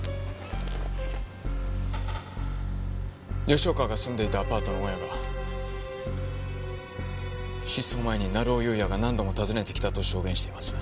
吉岡が住んでいたアパートの大家が失踪前に成尾優也が何度も訪ねてきたと証言しています。